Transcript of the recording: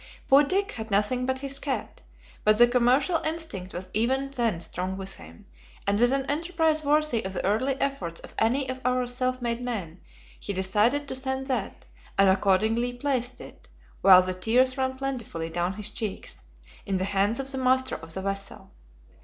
Poor Dick had nothing but his cat, but the commercial instinct was even then strong within him, and with an enterprise worthy of the early efforts of any of our self made men, he decided to send that, and accordingly placed it, "while the tears run plentifully down his cheeks," in the hands of the master of the vessel.